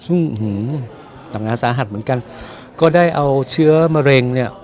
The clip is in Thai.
ซึ่งหือฝังงานสาหรัฐเหมือนกันก็ได้เอาเชื้อมะเร็งเนี้ย